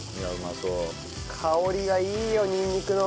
香りがいいよにんにくの。